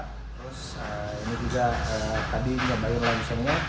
terus ini juga tadi diambahin lagi semuanya